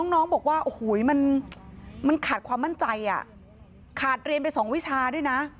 น้องบอกว่าโอ้โหมันขาดความมั่นใจขาดเรียนไปสองวิชาด้วยนะ